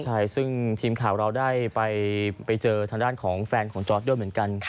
ใช่ซึ่งทีมข่าวเราได้ไปเจอทางด้านของแฟนของจอร์ดด้วยเหมือนกัน